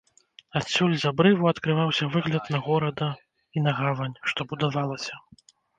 Адсюль, з абрыву, адкрываўся выгляд на горада і на гавань, што будавалася.